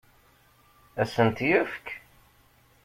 Ad asen-t-yefk?